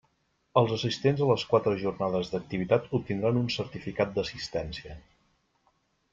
Els assistents a les quatre jornades d'activitat obtindran un certificat d'assistència.